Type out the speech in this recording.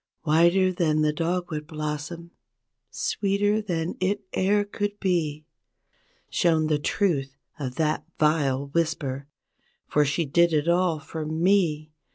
V/hiter than the dogwood blossom, sweeter than it e'er could be— Shown the truth of that vile whisper, for she did it all for me.